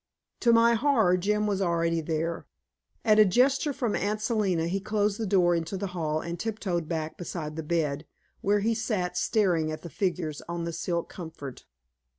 To my horror, Jim was already there. At a gesture from Aunt Selina, he closed the door into the hall and tiptoed back beside the bed, where he sat staring at the figures on the silk comfort.